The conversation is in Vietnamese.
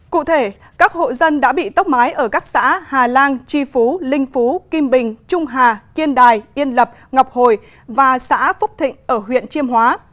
cụ thể các hộ dân đã bị tốc mái ở các xã hà lan tri phú linh phú kim bình trung hà kiên đài yên lập ngọc hồi và xã phúc thịnh ở huyện chiêm hóa